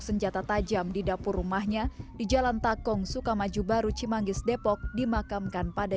senjata tajam di dapur rumahnya di jalan takong sukamaju baru cimanggis depok dimakamkan pada